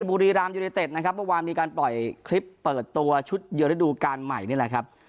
บุรีรามยูเนเต็ดนะครับเมื่อวานมีการปล่อยคลิปเปิดตัวชุดเยือระดูการใหม่นี่แหละครับ